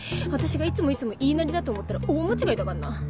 私がいつもいつも言いなりだと思ったら大間違いだかんな！